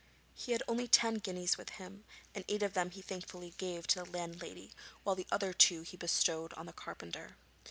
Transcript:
He had only ten guineas with him, and eight of them he thankfully gave to the landlady while the other two he bestowed on the carpenter.